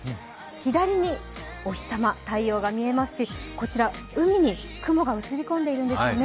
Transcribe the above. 左にお日様、太陽が見えますしこちら海に雲が映り込んでいるんですね。